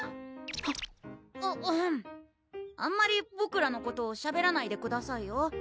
あんまりボクらのことをしゃべらないでくださいよ